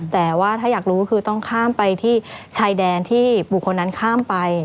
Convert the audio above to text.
แต่ว่าถ้าอยากรู้คือต้องข้ามไปที่ชายแดนที่บุคคลนั้นข้ามไป